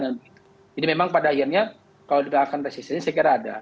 jadi memang pada akhirnya kalau tidak akan resistensi saya kira ada